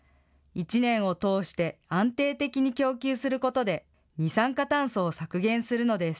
一年を通して、安定的に供給することで、二酸化炭素を削減するのです。